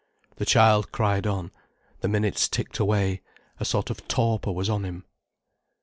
The child cried on, the minutes ticked away, a sort of torpor was on him.